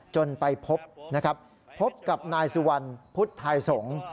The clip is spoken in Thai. จนไปพบนะครับพบกับนายสุวรรณพุทธไทยสงฆ์